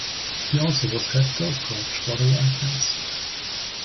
He also was head golf coach for the Wildcats.